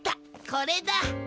これだ。